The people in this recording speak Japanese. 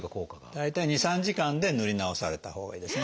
大体２３時間で塗り直されたほうがいいですね。